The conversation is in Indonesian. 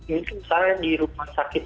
mungkin saya di rumah sakit